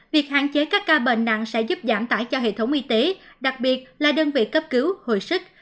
việc hạn chế các ca bệnh nặng sẽ giúp giảm tải cho hệ thống y tế đặc biệt là đơn vị cấp cứu hồi sức